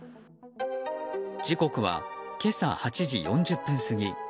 時刻は今朝８時４０分過ぎ。